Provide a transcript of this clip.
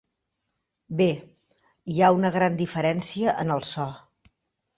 Bé, hi ha una gran diferència en el so.